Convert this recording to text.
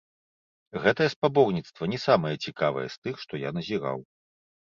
Гэтае спаборніцтва не самае цікавае з тых, што я назіраў.